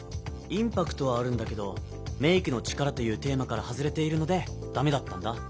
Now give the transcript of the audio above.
インパクトはあるんだけど「メイクのチカラ」というテーマから外れているのでダメだったんだ。